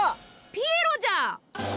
ピエロじゃ！